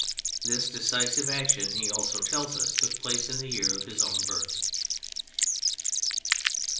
This decisive action, he also tells us, took place in the year of his own birth.